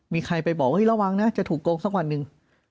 มีใครไปบอกว่าระวังนะจะถูกโกงสักวันหนึ่ง